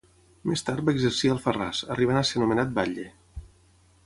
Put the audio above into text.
Més tard va exercir a Alfarràs, arribant a ser nomenat batlle.